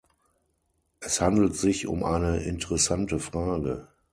Es handelt sich um eine interessante Frage.